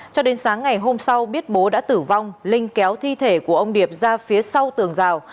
cho đến sáng ngày hôm sau biết bố đã tử vong linh kéo thi thể của ông điệp ra phía sau tường rào